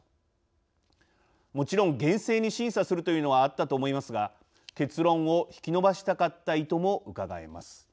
もちろん厳正に審査するというのはあったと思いますが結論を引き延ばしたかった意図もうかがえます。